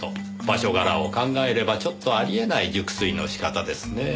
場所柄を考えればちょっとあり得ない熟睡の仕方ですねぇ。